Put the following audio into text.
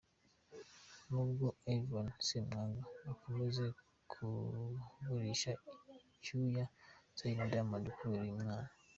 Nubwo Yvan Ssemwanga akomeje kubirisha icyuya Zari na Diamond kubera uyu mwana.